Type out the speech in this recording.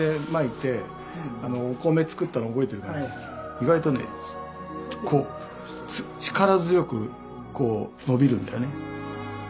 意外とねこう力強くこう伸びるんだよね。